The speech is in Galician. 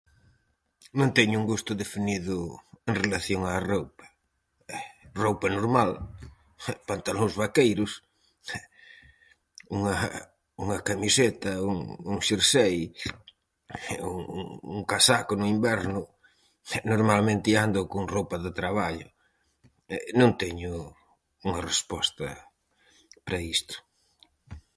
Non teño un gusto definido... en relación á roupa. Roupa normal: pantalóns vaqueiros, unha unha camiseta, un un xersei e un un casaco no inverno. Normalmente iando con roupa do traballo... non teño unha resposta pra isto.